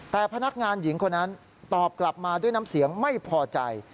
แต่พนักงานหญิงคนนั้นตอบกลับมาด้วยน้ำเสียงไม่พอใจ